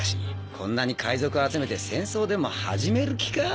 こんなに海賊集めて戦争でも始める気か？